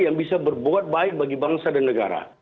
yang bisa berbuat baik bagi bangsa dan negara